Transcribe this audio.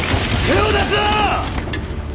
手を出すな！